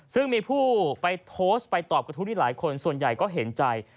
ซึ่งมีผู้ไปโพสต์ไปตอบกระทู้ที่หลายคนส่วนใหญ่ก็เห็นใจ